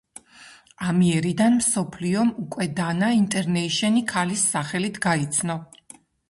ამიერიდან მსოფლიომ უკვე დანა ინტერნეიშენელი ქალის სახელით გაიცნო.